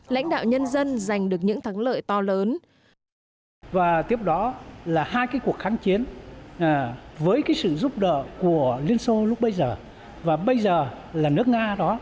lãnh đạo nhân dân giành được những thắng lợi to lớn